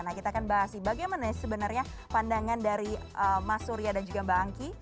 nah kita akan bahas bagaimana sebenarnya pandangan dari mas surya dan juga mbak angki